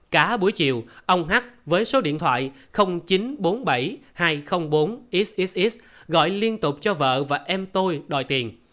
cá buổi chiều ông hắt với số điện thoại chín trăm bốn mươi bảy hai trăm linh bốn xxx gọi liên tục cho vợ và em tôi đòi tiền